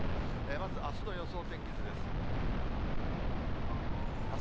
まずあすの予想天気図です。